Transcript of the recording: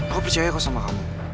aku percaya kau sama kamu